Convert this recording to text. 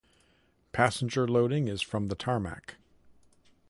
Passenger loading is from the tarmac.